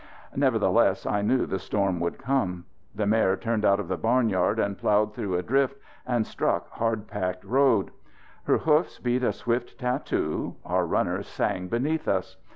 Nevertheless, I knew the storm would come. The mare turned out of the barnyard and ploughed through a drift and struck hard packed road. Her hoofs beat a swift tattoo; our runners sang beneath us.